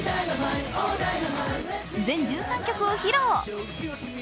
全１３曲を披露。